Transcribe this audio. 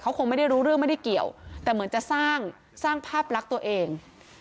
เขาคงไม่ได้รู้เรื่องไม่ได้เกี่ยวแต่เหมือนจะสร้างสร้างภาพลักษณ์ตัวเอง